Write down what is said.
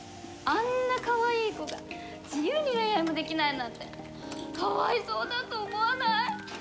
あんなかわいい子が自由に恋愛もできないなんてかわいそうだと思わない？